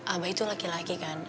abah itu laki laki kan